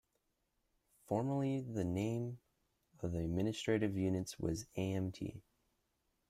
Formerly the name of the administrative units was "Amt".